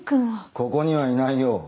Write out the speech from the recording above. ここにはいないよ。